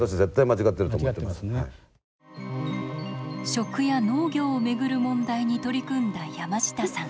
食や農業を巡る問題に取り組んだ山下さん。